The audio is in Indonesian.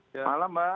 selamat malam mbak